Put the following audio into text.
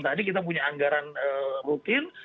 tadi kita punya anggaran rutin